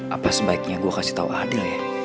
apa sebaiknya gue kasih tau adil ya